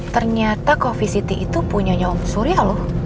ternyata coffeesity itu punya om surya loh